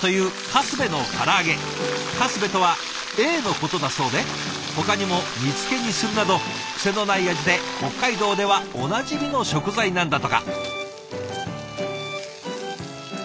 カスベとはエイのことだそうでほかにも煮つけにするなどクセのない味で北海道ではおなじみの食材なんだとか。